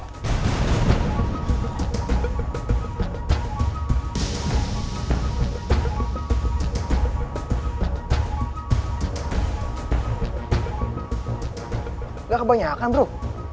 nggak kebanyakan bro